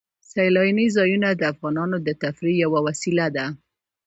سیلانی ځایونه د افغانانو د تفریح یوه وسیله ده.